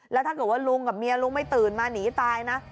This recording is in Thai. แล้วถ้าเกิดว่าลุงกับเมียลุงไม่ตื่นมาหนีตายนะ